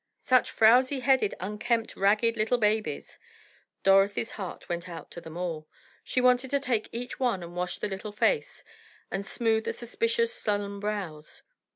Such frowsy headed, unkempt, ragged little babies! Dorothy's heart went out to them all—she wanted to take each one and wash the little face, and smooth the suspicious, sullen brows.